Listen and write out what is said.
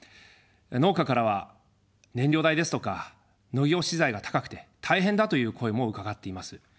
農家からは燃料代ですとか農業資材が高くて、大変だという声も伺っています。